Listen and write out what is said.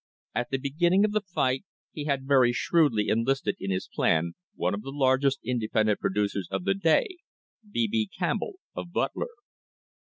At the begin ning of the fight he had very shrewdly enlisted in his plan one of the largest independent producers of the day, B. B. Campbell, of Butler.